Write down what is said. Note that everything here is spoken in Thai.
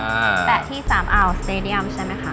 แต่ที่สามอ่าวสเตดียมใช่ไหมคะ